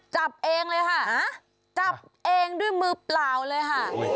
จับเองเลยค่ะจับเองด้วยมือเปล่าเลยค่ะ